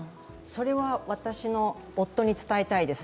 それは私の夫に伝えたいです。